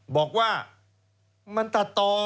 บอกว่ามันตัดต่อ